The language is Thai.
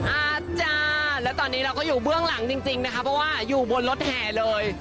อาจารย์แล้วตอนนี้เราก็อยู่เบื้องหลังจริงนะคะเพราะว่าอยู่บนรถแห่เลย